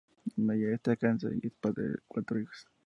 Meyer está casado y es padre de cuatro hijos.